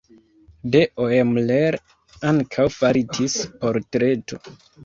De Oemler ankaŭ faritis portreto.